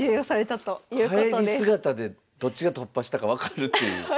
帰り姿でどっちが突破したか分かるっていう。